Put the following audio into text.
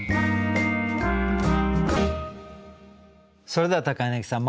それでは柳さん